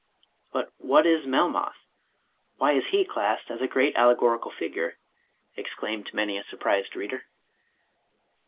" But what is 'Melmoth'? Why is he classed as *a great alle gorical figure'?" exclaimed many a surprised reader.